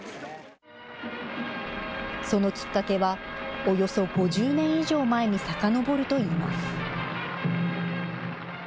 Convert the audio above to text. そのきっかけは、およそ５０年以上前にさかのぼるといいます。